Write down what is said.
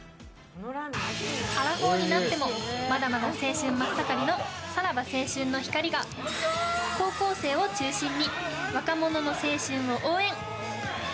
アラフォーになってもまだまだ青春真っ盛りのさらば青春の光が高校生を中心に若者の青春を応援。